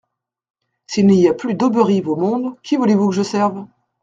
S'il n'y a plus d'Auberive au monde, qui voulez-vous que je serve ?